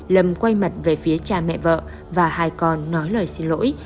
lâm quay mặt về phía cha mẹ vợ và hai con nói lời xin lỗi